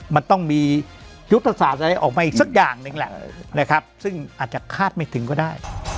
มันต้องมียุทธศาสตร์อะไรออกมาอีกสักอย่างหนึ่งแหละนะครับซึ่งอาจจะคาดไม่ถึงก็ได้